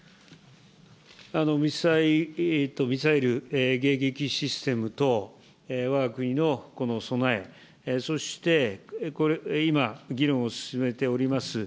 ミサイル迎撃システムと、わが国のこの備え、そして、今、議論を進めております